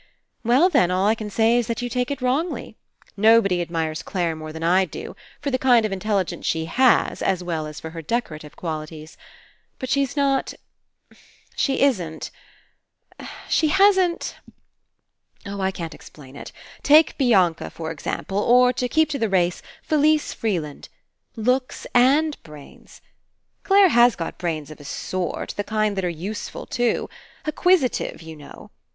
*'Well, then, all I can say is that you take it wrongly. Nobody admires Clare more than I do, for the kind of Intelligence she has, as well as for her decorative qualities. But she's not — She isn't — She hasn't — Oh, I can't explain it. Take Bianca, for example, or, to keep to the race, Felise Freeland. Looks and brains. Real brains that can hold their own with anybody. Clare has got brains of a sort, the kind that are useful too. Acquisitive, you know.